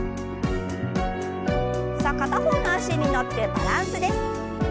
さあ片方の脚に乗ってバランスです。